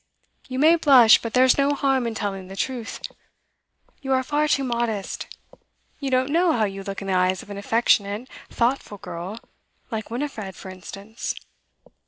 You may blush, but there's no harm in telling the truth. You are far too modest. You don't know how you look in the eyes of an affectionate, thoughtful girl like Winifred, for instance.